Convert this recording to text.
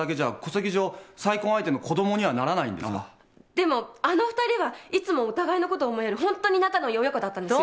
でもあの二人はいつもお互いのことを思いやるホントに仲のいい親子だったんですよ。